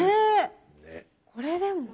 これでも？